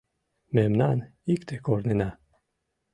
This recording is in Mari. Мемнан икте корнына.